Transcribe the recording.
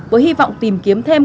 với hy vọng tìm kiếm thêm